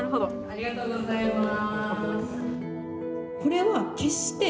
ありがとうございます。